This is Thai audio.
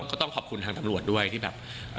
ก็ต้องขอบคุณทางตำรวจด้วยที่แบบ